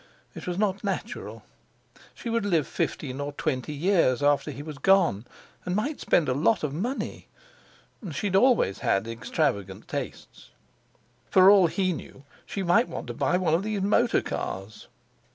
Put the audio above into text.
It was not natural. She would live fifteen or twenty years after he was gone, and might spend a lot of money; she had always had extravagant tastes. For all he knew she might want to buy one of these motor cars.